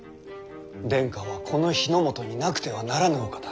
殿下はこの日ノ本になくてはならぬお方。